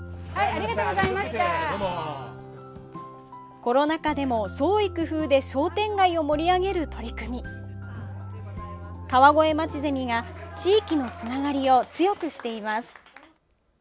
コロナ禍でも創意工夫で商店街を盛り上げる取り組み川越まちゼミが地域のつながりを強くしています。